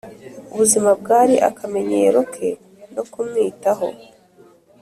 ubuzima bwari akamenyero ke no kumwitaho,